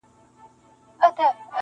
نن مي له زلمیو په دې خپلو غوږو واورېده-